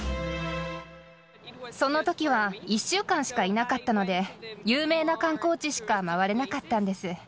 そのときは、１週間しかいなかったので、有名な観光地しか回れなかったんです。